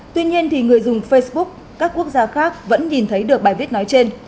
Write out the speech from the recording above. tuy nhiên người dùng facebook các quốc gia khác vẫn nhìn thấy được bài viết nói trên